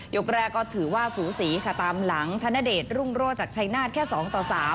กแรกก็ถือว่าสูสีค่ะตามหลังธนเดชรุ่งโรธจากชัยนาธแค่๒ต่อ๓